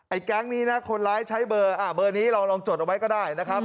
แก๊งนี้นะคนร้ายใช้เบอร์นี้ลองจดเอาไว้ก็ได้นะครับ